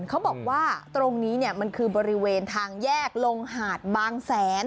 เขาบอกว่าตรงนี้มันคือบริเวณทางแยกลงหาดบางแสน